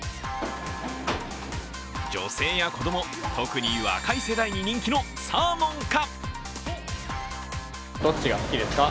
女性や子供、特に若い世代に人気のサーモンか！